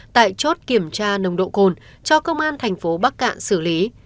tại chốt kiểm tra nồng độ cồn cho công an thành phố bắc cạn xử lý